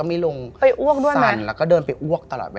ไม่ได้เย็นก็คือแบบขมาม